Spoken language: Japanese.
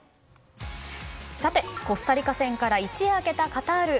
コスタリカ戦から一夜明けたカタール。